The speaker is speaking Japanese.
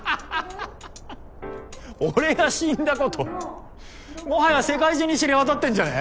俺が死んだこともはや世界中に知れ渡ってんじゃね。